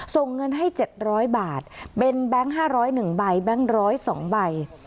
ส่งเงินให้๗๐๐บาทเป็นแบงค์๕๐๑ใบแบงค์๑๐๒ใบ